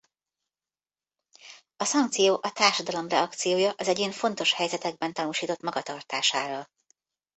A szankció a társadalom reakciója az egyén fontos helyzetekben tanúsított magatartására.